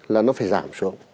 là nó phải giảm xuống